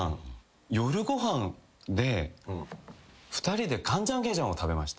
２人でカンジャンケジャンを食べました。